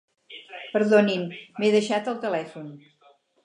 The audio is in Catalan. Perdonin, m'he deixat el telèfon.